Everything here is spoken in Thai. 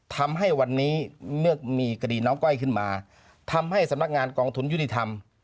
ทำให้วันนี้เมื่อมีคดีน้องก้อยขึ้นมาทำให้สำนักงานกองทุนยุติธรรม